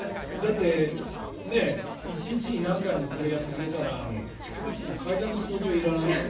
だって、１日に何回もこれをやってくれたら少なくとも階段の掃除はいらないよ。